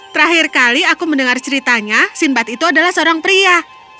terakhir kali aku mendengar ceritanya sinbad itu adalah seorang pria